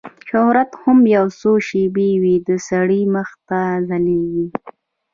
شهرت هم یو څو شېبې وي د سړي مخ ته ځلیږي